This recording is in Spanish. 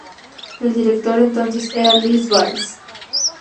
El director entonces era Luis Valls.